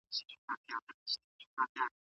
پر اوږو د وارثانو جنازه به دي زنګېږي